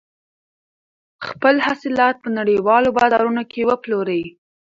خپل حاصلات په نړیوالو بازارونو کې وپلورئ.